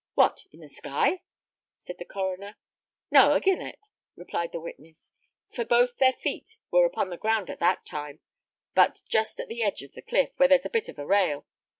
"What! in the sky?" said the coroner. "No, agin it," replied the witness; "for both their feet were upon the ground at that time, but just at the edge of the cliff, where there's a bit of a rail.